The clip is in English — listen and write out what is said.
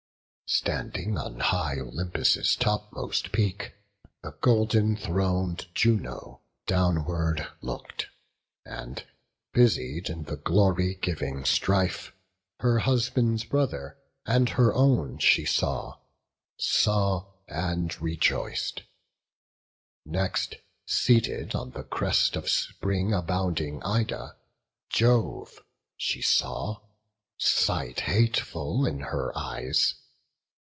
Standing on high Olympus' topmost peak, The golden throned Juno downward look'd, And, busied in the glory giving strife, Her husband's brother and her own she saw, Saw, and rejoic'd; next, seated on the crest Of spring abounding Ida, Jove she saw, Sight hateful in her eyes!